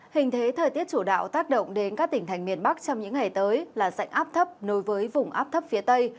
hình thế thời tiết chủ đạo tác động đến các tỉnh thành miền bắc trong những ngày tới là dạnh áp thấp nối với vùng áp thấp phía tây